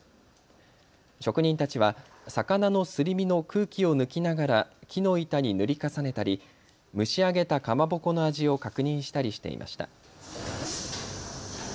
職人たちは魚のすり身の空気を抜きながら木の板に塗り重ねたり、蒸し上げたかまぼこの味を確認したりしていました。